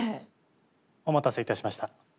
お待たせいたしました。